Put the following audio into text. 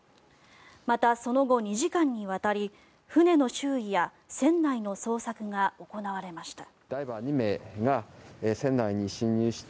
また、その後２時間にわたり船の周囲や船内の捜索が行われました。